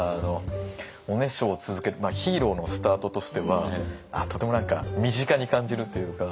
おねしょを続けるヒーローのスタートとしてはとても身近に感じるというか。